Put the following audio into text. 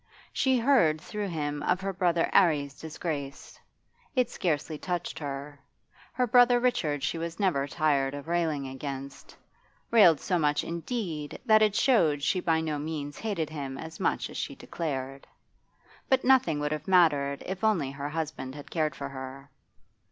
She heard through him of her brother 'Arry's disgrace; it scarcely touched her. Her brother Richard she was never tired of railing against, railed so much, indeed, that it showed she by no means hated him as much as she declared. But nothing would have mattered if only her husband had cared for her.